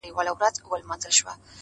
لړۍ د اوښکو ګريوانه ته تلله!